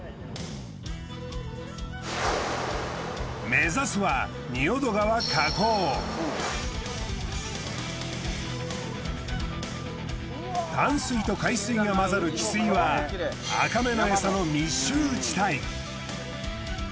目指すは淡水と海水が混ざる汽水はアカメのエサの密集地帯。